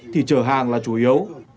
thì chở hàng là chủ yếu